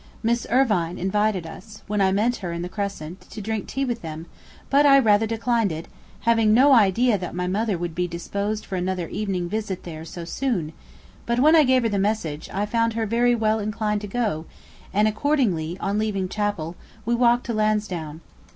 Miss Irvine invited us, when I met her in the Crescent, to drink tea with them, but I rather declined it, having no idea that my mother would be disposed for another evening visit there so soon; but when I gave her the message, I found her very well inclined to go; and accordingly, on leaving Chapel, we walked to Lansdown.